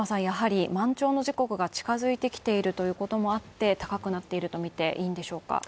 やはり、満潮の時刻が近づいてきているということもあって高くなっていると見ていいんでしょうか？